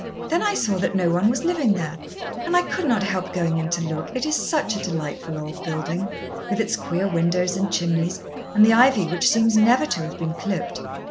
Then I saw that no one was living there, and I could not help going in to look it is such a delightful old building, with its queer windows and chimneys, and the ivy which seems never to have been clipped.